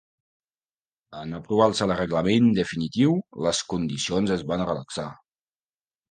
En aprovar-se el reglament definitiu, les condicions es van relaxar.